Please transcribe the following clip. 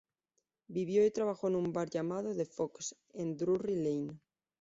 Vivió y trabajó en un bar llamado "The Fox" en Drury Lane.